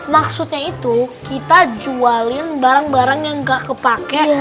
maksudnya itu kita jualin barang barang yang nggak kepake